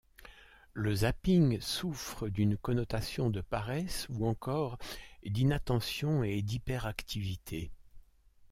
Le zapping souffre d'une connotation de paresse ou encore d'inattention et d'hyperactivité.